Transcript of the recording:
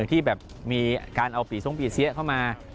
ที่แบบมีการเอาปีทรงปีเสียเข้ามา